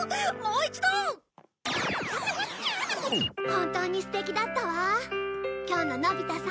本当に素敵だったわ今日ののび太さん。